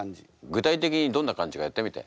具体的にどんな感じかやってみて。